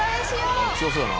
強そうやな。